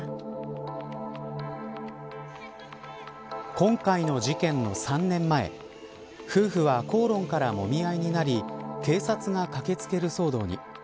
今回の事件の３年前夫婦は口論からもみ合いになり警察が駆け付ける騒動に。